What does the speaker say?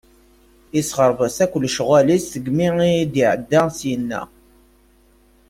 Isexreb-as akk lecɣal-is seg mi d-iɛedda syenna.